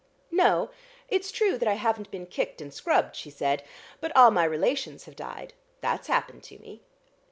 "No, it's true that I haven't been kicked and scrubbed," she said. "But all my relations have died. That's happened to me."